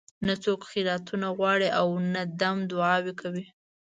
نه څوک خیراتونه غواړي او نه دم دعاوې کوي.